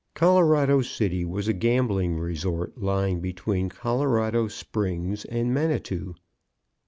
Colorado City was a gambling resort lying between Colorado Springs and Manitou.